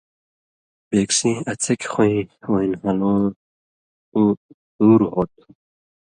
بېکسیں اڅھکیۡ خُویں وَیں نھالُوں اُو تُور ہو تُھو۔